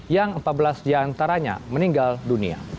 yang empat belas di antaranya meninggal dunia